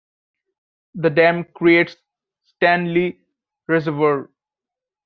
The dam creates Stanley Reservoir.